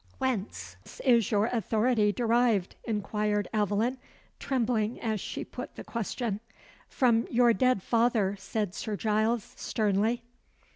"Whence is your authority derived?" inquired Aveline, trembling as she put the question. "From your dead father," said Sir Giles, sternly.